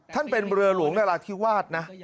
เป็นเรือหลวงนราธิวาสนะ